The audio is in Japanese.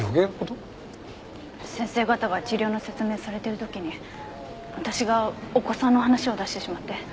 先生方が治療の説明されてる時に私がお子さんの話を出してしまって。